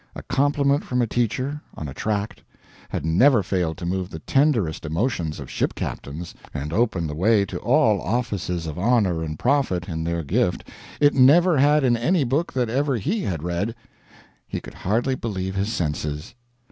A compliment from a teacher, on a tract, had never failed to move the tenderest emotions of ship captains, and open the way to all offices of honor and profit in their gift, it never had in any book that ever HE had read. He could hardly believe his senses.